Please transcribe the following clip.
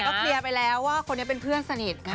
เคลียร์ไปแล้วว่าคนนี้เป็นเพื่อนสนิทค่ะ